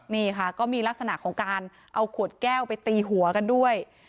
นี่ค่ะก็มีลักษณะของการเอาขวดแก้วไปตีหัวกันด้วย